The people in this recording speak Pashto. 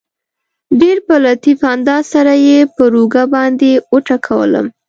ډېر په لطیف انداز سره یې پر اوږه باندې وټکولم.